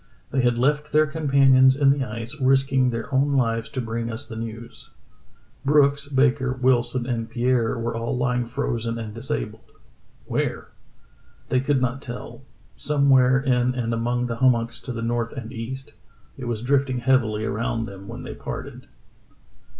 They had left their companions in the ice, risking their own lives to bring us the news. Brooks, Baker, Wilson, and Pierre were all lying frozen and disabled. Where .^ They could not tell — somewhere in and among the hum mocks to the north and east; it was drifting heavily around them when they parted.